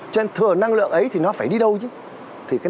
cho nên thừa năng lượng ấy thì nó phải đi đâu chứ